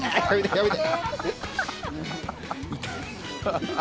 やめて！